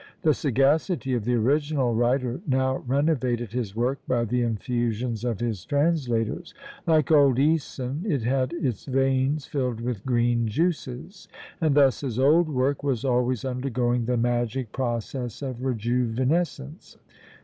The sagacity of the original writer now renovated his work by the infusions of his translators; like old Æson, it had its veins filled with green juices; and thus his old work was always undergoing the magic process of rejuvenescence.